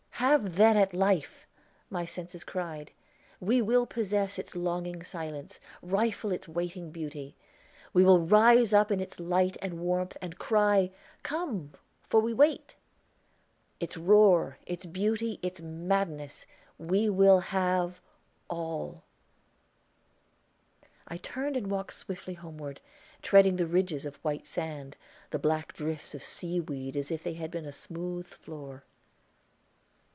"Have then at life!" my senses cried. "We will possess its longing silence, rifle its waiting beauty. We will rise up in its light and warmth, and cry, 'Come, for we wait.' Its roar, its beauty, its madness we will have all." I turned and walked swiftly homeward, treading the ridges of white sand, the black drifts of sea weed, as if they had been a smooth floor.